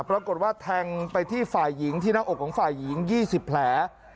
ปรากฏว่าแทงไปที่ฝ่ายหญิงที่หน้าอกของฝ่ายหญิง๒๐แผล